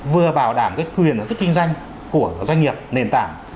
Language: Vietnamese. vừa bảo đảm cái quyền và sức kinh doanh của doanh nghiệp nền tảng